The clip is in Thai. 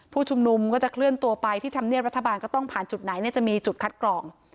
ผู้ชุมนุมก็จะเคลื่อนตัวไปที่ธรรมเนียบรัฐบาลก็ต้องผ่านจุดไหนจะมีจุดคัดกรอง